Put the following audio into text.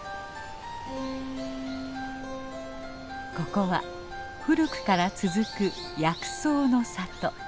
ここは古くから続く薬草の里。